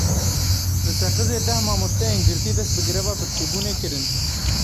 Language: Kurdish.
Li Seqizê deh mamosteyên girtî dest bi gireva birçîbunê kirin.